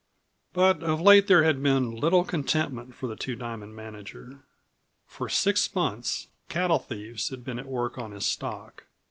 But of late there had been little contentment for the Two Diamond manager. For six months cattle thieves had been at work on his stock.